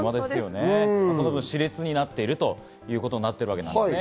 その分、し烈になっているということになってるわけです。